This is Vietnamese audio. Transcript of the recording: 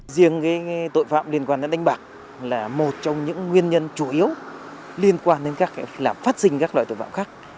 riêng tội phạm liên quan đến đánh bạc là một trong những nguyên nhân chủ yếu liên quan đến phát sinh các loại tội phạm khác